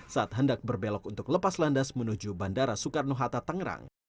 saat hendak berbelok untuk lepas landas menuju bandara soekarno hatta tangerang